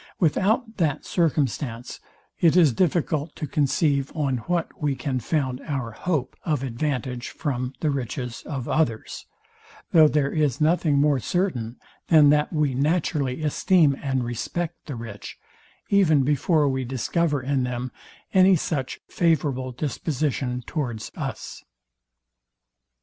Without that circumstance it is difficult to conceive on what we can found our hope of advantage from the riches of others, though there is nothing more certain, than that we naturally esteem and respect the rich, even before we discover in them any such favourable disposition towards us.